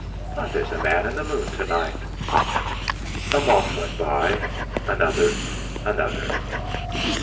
There's a man in the moon to night!' A moth went by, another, another.